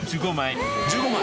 １５枚？